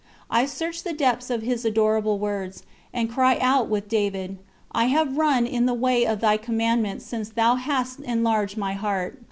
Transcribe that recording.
I search the depths of His adorable words, and cry out with David: "I have run in the way of Thy commandments since Thou hast enlarged my heart."